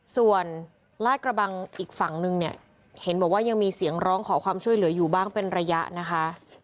ส่วนลาดกระบังอีกฝั่งนึงเนี่ยเห็นบอกว่ายังมีเสียงร้องขอความช่วยเหลืออยู่บ้างเป็นระยะนะคะ